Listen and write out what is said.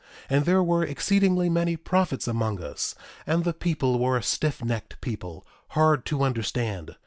1:22 And there were exceedingly many prophets among us. And the people were a stiffnecked people, hard to understand.